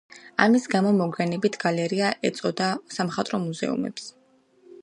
ამის გამო, მოგვიანებით გალერეა ეწოდა სამხატვრო მუზეუმებს.